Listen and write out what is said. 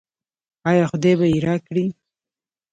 آیا خدای به یې راکړي؟